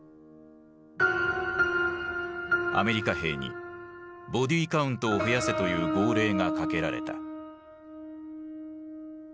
アメリカ兵に「ボディカウントを増やせ」という号令がかけられた。